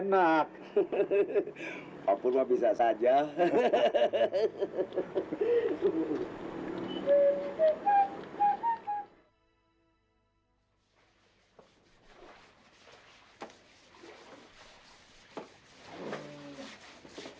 sebetulnya saya bangun ini ke siang